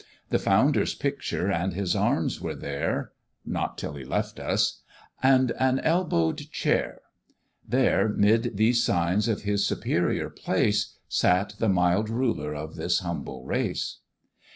The founder's picture and his arms were there (Not till he left us), and an elbow'd chair; There, 'mid these signs of his superior place, Sat the mild ruler of this humble race.